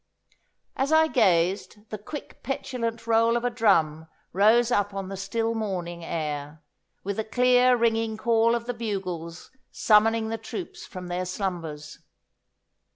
As I gazed the quick petulant roll of a drum rose up on the still morning air, with the clear ringing call of the bugles summoning the troops from their slumbers.